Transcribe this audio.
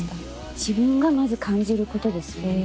自分がまず感じることですよね。